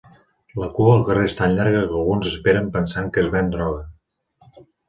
La cua al carrer és tan llarga que alguns esperen pensant que es ven droga.